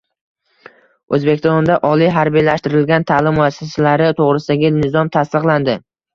O‘zbekistonda Oliy harbiylashtirilgan ta’lim muassasalari to‘g‘risidagi nizom tasdiqlandi